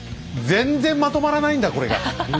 全然まとまらないんだこれが。